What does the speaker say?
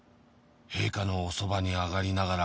「陛下のおそばにあがりながら」